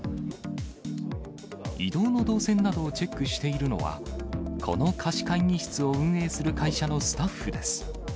移動の動線などをチェックしているのは、この貸会議室を運営する会社のスタッフです。